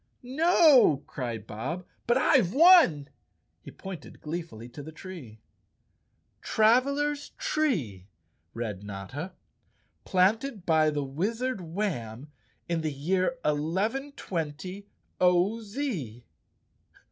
"No," cried Bob, "but I've won!" He pointed glee¬ fully to the tree. " Travelers' Tree," read Notta, " planted by the Wiz¬ ard Warn in the year 1120 0. Z.